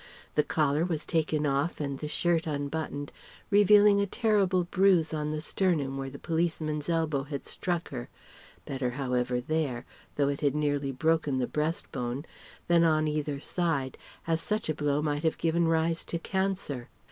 The collar was taken off and the shirt unbuttoned revealing a terrible bruise on the sternum where the policeman's elbow had struck her better however there, though it had nearly broken the breastbone, than on either side, as such a blow might have given rise to cancer.